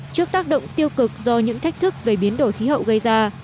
trước tác động tiêu cực do những thách thức về biến đổi khí hậu gây ra